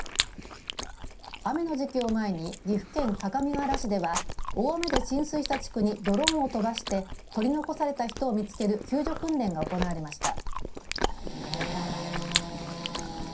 雨の時期を前に岐阜県各務原市では大雨で浸水した地区にドローンを飛ばして取り残された人を見つける救助訓練が行われました。